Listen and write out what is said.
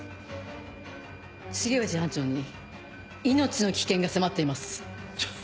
重藤班長に命の危険が迫っています。